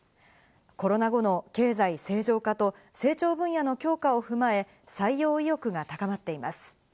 コロナ後の経済正常化と成長分野の強化を踏まえ、採用意欲が高まっています。